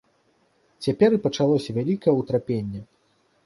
Цяпер і пачалося вялікае ўтрапенне.